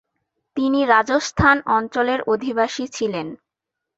তিনি রাজস্থান অঞ্চলের অধিবাসী ছিলেন।